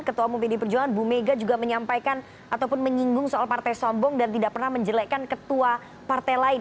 ketua umum pdi perjuangan bu mega juga menyampaikan ataupun menyinggung soal partai sombong dan tidak pernah menjelekkan ketua partai lain